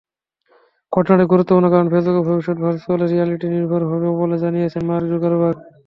ঘটনাটি গুরুত্বপূর্ণ কারণ ফেসবুকের ভবিষ্যৎ ভার্চ্যুয়াল রিয়ালিটি-নির্ভর হবে বলে জানিয়েছিলেন মার্ক জাকারবার্গ।